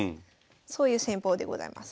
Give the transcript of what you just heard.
そういう戦法でございます。